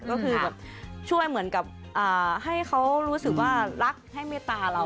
ก็คือแบบช่วยเหมือนกับให้เขารู้สึกว่ารักให้เมตตาเรา